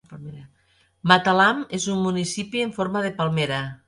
Matalam és un municipi en forma de palmera.